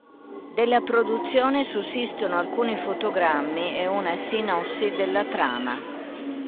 Della produzione sussistono alcuni fotogrammi e una sinossi della trama.